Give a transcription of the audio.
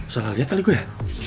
salah lihat kali ya